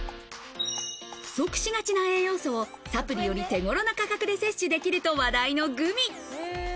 不足しがちな栄養素をサプリより手頃な価格で摂取できると話題のグミ。